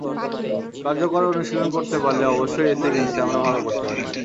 কার্যকর অনুশীলন করতে পারলে অবশ্যই এসএ গেমসে আমরা ভালো করতে পারি।